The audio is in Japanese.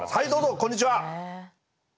こんにちは。